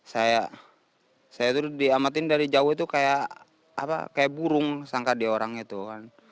saya itu diamatin dari jauh itu kayak burung sangka dia orang itu kan